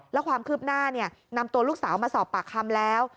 แล้วความคืบหน้านำตัวลูกสาวมาสอบปากคำแล้ว